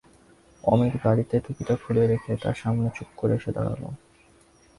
অমিত গাড়িতে টুপিটা খুলে রেখে তার সামনে চুপ করে এসে দাঁড়াল।